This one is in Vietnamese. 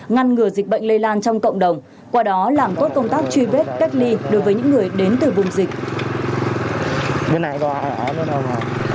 ngăn ngừa dịch bệnh lây lan trong cộng đồng qua đó làm tốt công tác truy vết cách ly đối với những người đến từ vùng dịch